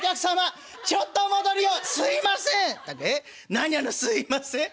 「何やらすいません。